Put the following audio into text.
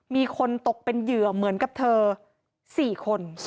มีคนตกเป็นเหยื่อเหมือนกับเธอ๔คน